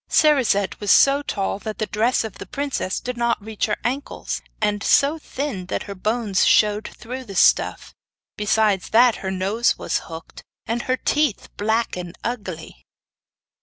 Cerisette was so tall that the dress of the princess did not reach her ankles, and so thin that her bones showed through the stuff. Besides that her nose was hooked, and her teeth black and ugly.